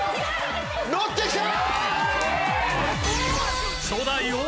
乗ってきた！